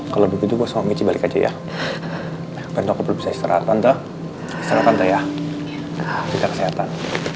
kalau begitu posom gc balik aja ya bentuk bisa istirahat pantai pantai ya kita kesehatan